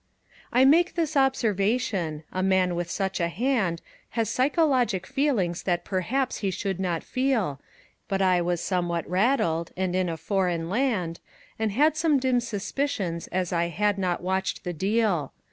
I make this observation: A man with such a hand Has psychologic feelings that perhaps he should not feel, But I was somewhat rattled And in a foreign land, And had some dim suspicions, as I had not watched the deal.